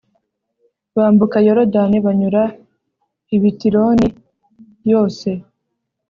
bambuka Yorodani banyura i Bitironi yose